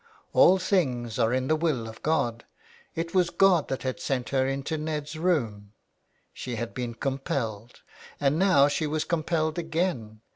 All things are in the will of God. It was God that had sent her into Ned's room. She had been compelled, and now she was compelled again.